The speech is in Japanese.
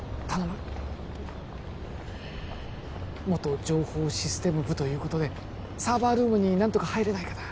うん元情報システム部ということでサーバールームに何とか入れないかな